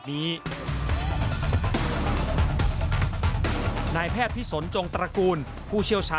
มีความรู้สึกว่า